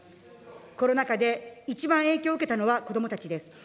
コロナ禍で一番影響を受けたのは子どもたちです。